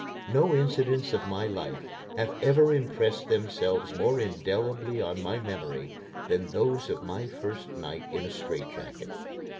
No incidents of my life have ever impressed themselves more indelibly on my memory than those of my first night in a strait jacket.